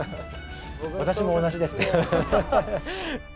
私も同じです。